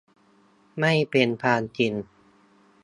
ไม่เป็นความจริง